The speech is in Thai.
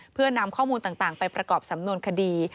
เพื่อนำข้อมูลต่างไปประกอบสำนวนคดี